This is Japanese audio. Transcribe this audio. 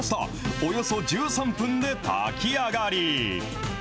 およそ１３分で炊き上がり。